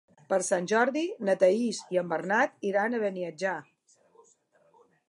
Per Sant Jordi na Thaís i en Bernat iran a Beniatjar.